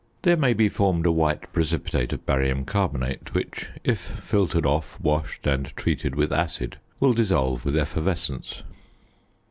There may be formed a white precipitate of barium carbonate, which if filtered off, washed and treated with acid, will dissolve with effervescence.